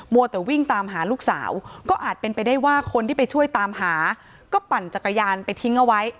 วัวแต่วิ่งตามหาลูกสาวก็อาจเป็นไปได้ว่าคนที่ไปช่วยตามหาก็ปั่นจักรยานไปทิ้งเอาไว้